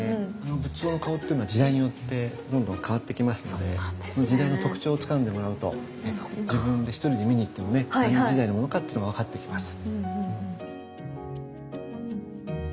仏像の顔っていうのは時代によってどんどん変わってきますので時代の特徴をつかんでもらうと自分で一人で見にいってもね何時代のものかっていうのが分かってきます。